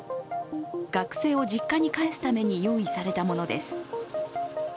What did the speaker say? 学生を実家に帰すために用意されたものです。